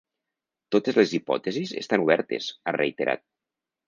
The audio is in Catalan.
Totes les hipòtesis estan obertes, ha reiterat.